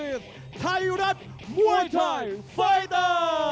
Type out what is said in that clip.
นี่คือไทยอุ๊ดอับมอร์ไทยไฟเตอร์